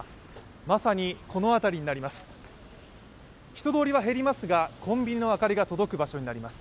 まさにこの辺りになります。